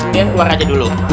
biar keluar aja dulu